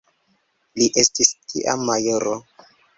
Li estis tiam majoro.